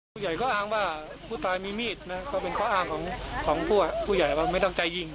ผู้ใหญ่ก็อ้างว่าผู้ตายมีมีดนะก็เป็นข้ออ้างของผู้ใหญ่ว่าไม่ต้องใจยิง